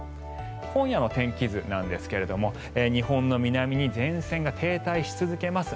今夜の天気図なんですが日本の南に前線が停滞し続けます。